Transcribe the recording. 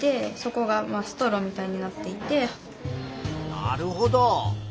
なるほど。